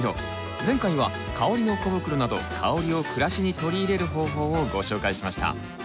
前回は香りの小袋など香りを暮らしに取り入れる方法をご紹介しました。